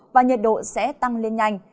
và nhiệt độ sẽ tăng lên nhanh